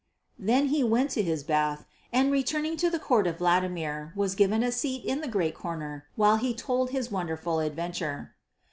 Then he went to his bath, and returning to the court of Vladimir was given a seat in the great corner while he told his wonderful adventure.